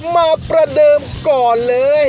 มาประเดิมก่อนเลย